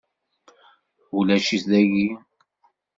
Ulac-it dagi;